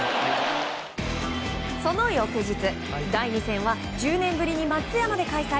その翌日、第２戦は１０年ぶりに松山で開催。